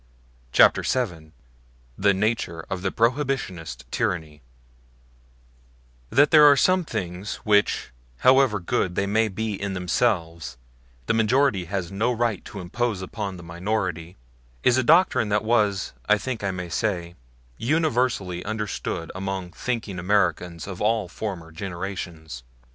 CHAPTER VII NATURE OF THE PROHIBITIONIST TYRANNY THAT there are some things which, however good they may be in themselves, the majority has no right to impose upon the minority, is a doctrine that was, I think I may say, universally understood among thinking Americans of all former generations.